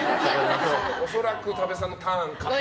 恐らく多部さんのターンかと。